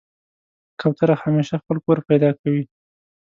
کوتره همیشه خپل کور پیدا کوي.